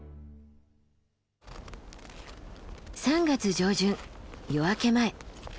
３月上旬夜明け前。